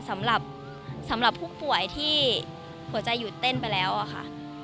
สำหรับผู้ป่วยที่หัวใจหยุดเต้นไปแล้วอะค่ะ